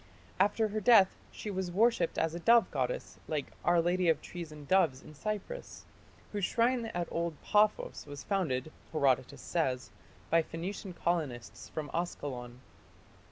After her death she was worshipped as a dove goddess like "Our Lady of Trees and Doves" in Cyprus, whose shrine at old Paphos was founded, Herodotus says, by Phoenician colonists from Askalon.